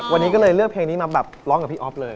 วันนี้ก็เลยเลือกเพลงนี้มาแบบร้องกับพี่อ๊อฟเลย